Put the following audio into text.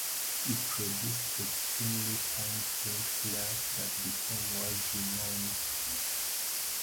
It produced extremely fine flint glass that became world-renowned.